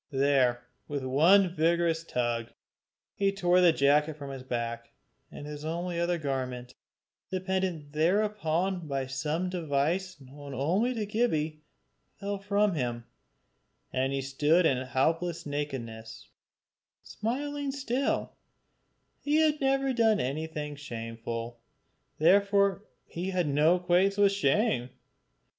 There, with one vigorous tug, he tore the jacket from his back, and his only other garment, dependent thereupon by some device known only to Gibbie, fell from him, and he stood in helpless nakedness, smiling still: he had never done anything shameful, therefore had no acquaintance with shame.